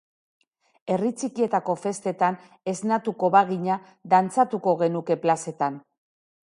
Herri txikietako festetan esnatuko bagina dantzatuko genuke plazetan.